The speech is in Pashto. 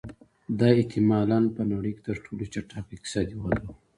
دا احتما لا په نړۍ کې تر ټولو چټکه اقتصادي وده وه